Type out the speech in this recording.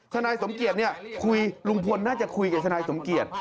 ฐานายสมเกียรตินี่ลุงพลน่าจะคุยกับฐานายสมเกียรติ